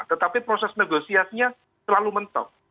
tetapi proses negosiasinya selalu mentok